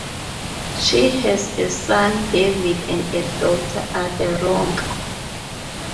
She has a son, David, and a daughter, Aderonke.